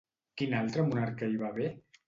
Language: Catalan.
Quin altre monarca hi va haver?